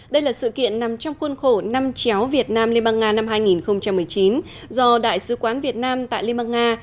đây là sự kiện nằm trong khuôn khổ năm chéo việt nam liên bang nga năm hai nghìn một mươi chín do đại sứ quán việt nam tại liên bang nga